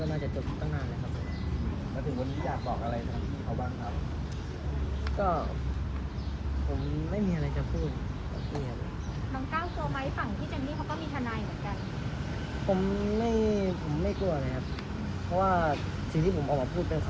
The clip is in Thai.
เพราะว่าสิที่ผมเอามาพูดเป็นความจริงทั้งหมดเลย